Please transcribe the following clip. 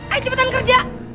ayo cepetan kerja